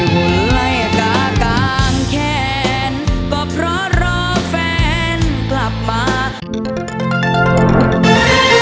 ที่หล่ายกากางแคนก็เพราะรอแฟนกลับมา